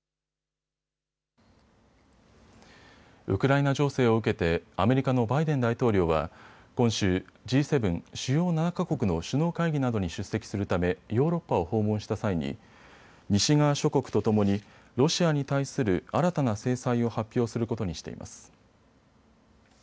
ウクライナ情勢を受けてアメリカのバイデン大統領は今週、Ｇ７・主要７か国の首脳会議などに出席するためヨーロッパを訪問した際に西側諸国とともにロシアに対する新たな制裁を発表することにしています。